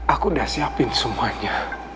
aku udah siapin semuanya